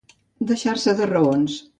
Deixar-se de raons.